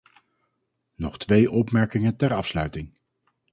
Nog twee opmerkingen ter afsluiting.